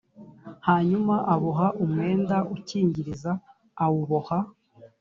hanyuma aboha umwenda ukingiriza awuboha